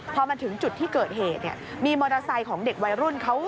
พอมาถึงจุดที่เกิดเหตุเนี่ยมีมอเตอร์ไซค์ของเด็กวัยรุ่นเขา